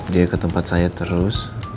dia ke tempat saya terus